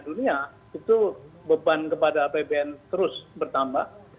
atau minyak dunia itu beban kepada bbm terus bertambah